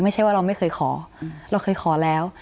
ไม่ใช่ว่าเราไม่เคยขอเราเคยขอแล้ว